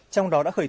trong đó đã khó khăn